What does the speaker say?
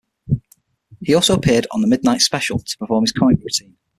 He also appeared on" The Midnight Special" to perform his comic routine.